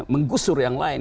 menggusur yang lain